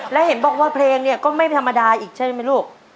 และเห็นบอกว่าเพลงเนี่ยก็ไม่ธรรมดาอีกใช่ไหมลูก